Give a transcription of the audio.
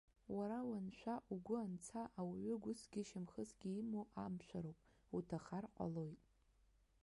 Уара уаншәа, угәы анца, ауаҩы гәысгьы шьамхысгьы имоу амшәароуп, уҭахар ҟалоит.